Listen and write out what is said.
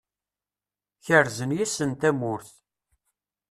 Kerzen yes-sen tamurt.